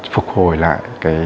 phục hồi lại